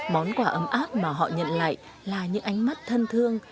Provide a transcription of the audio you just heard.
món quà ấm áp mà họ nhận lại là những ánh mắt thân thương